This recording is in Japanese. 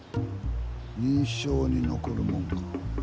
印象に残るもんか。